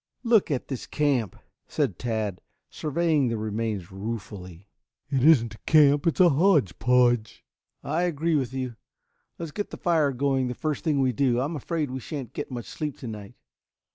Look at this camp," said Tad, surveying the remains ruefully. "It isn't a camp; it's a hodge podge." "I agree with you. Let's get the fire going the first thing we do. I am afraid we shan't get much sleep tonight.